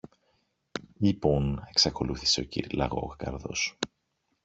Λοιπόν, εξακολούθησε ο κυρ-Λαγόκαρδος